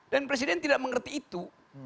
dan presiden tidak mengerti itu